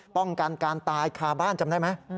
ป้องกันการตายคาบ้านจำได้ไหม